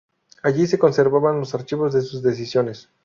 Allí se conservaban los archivos de sus decisiones.